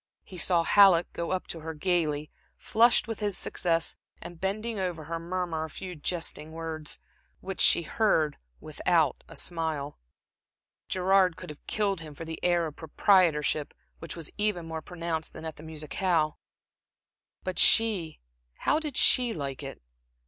He saw Halleck go up to her gaily, flushed with his success, and bending over her, murmur a few jesting words, which she heard without a smile. Gerard could have killed him for the air of proprietorship which was even more pronounced than at the musicale. But she how did she like it?